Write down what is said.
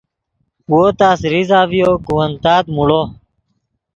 وو تس ریزہ ڤیو کہ ون تات موڑو